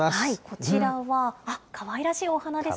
こちらは、あっ、かわいらしいお花ですね。